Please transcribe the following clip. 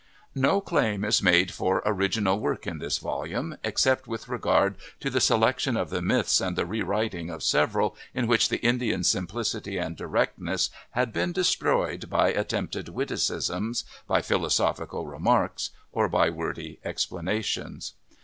No claim is made for original work in this volume, except with regard to the selection of the myths and the rewriting of several in which the Indian PREFACE simplicity and directness had been destroyed by at tempted witticisms, by philosophical remarks, or by wordy explanations.